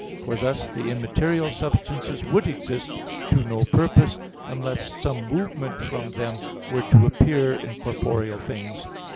For thus the immaterial substances would exist to no purpose, unless some movement from them were to appear in corporeal things.